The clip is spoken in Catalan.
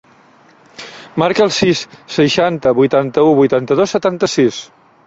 Marca el sis, seixanta, vuitanta-u, vuitanta-dos, setanta-sis.